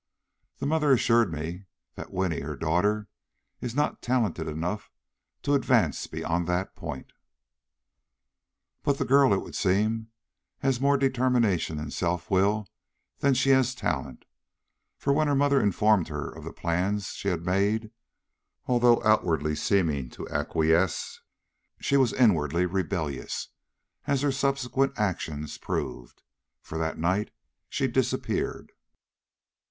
The mother assured me that Winnie, her daughter, is not talented enough to advance beyond that point. "But the girl, it would seem, has more determination and self will than she has talent, for when her mother informed her of the plans she had made, although outwardly seeming to acquiesce, she was inwardly rebellious as her subsequent actions proved, for that night she disappeared.